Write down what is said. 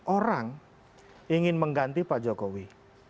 orang ingin mengganti pak jokowi